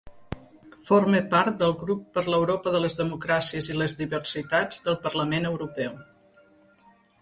Forma part del Grup per l'Europa de les Democràcies i les Diversitats del Parlament Europeu.